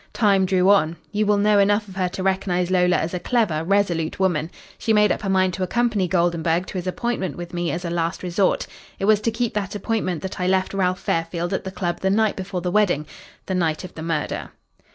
Time drew on. You will know enough of her to recognise Lola as a clever, resolute woman. She made up her mind to accompany Goldenburg to his appointment with me as a last resort. It was to keep that appointment that I left Ralph Fairfield at the club the night before the wedding the night of the murder."